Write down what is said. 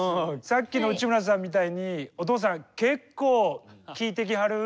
さっきの内村さんみたいにお父さん結構聞いてきはる？